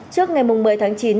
trước ngày một mươi tháng chín